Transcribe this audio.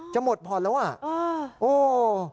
หมดผ่อนแล้วอ่ะโอ้